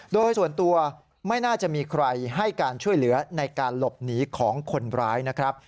โดยส่วนตัวไม่น่าจะมีใครให้การช่วยเหลือในการหลบหนีของคนร้ายนะครับ